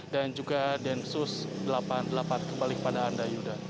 dan juga densus delapan puluh delapan kebalik pada anda yuda